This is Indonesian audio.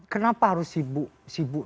kenapa harus sibuk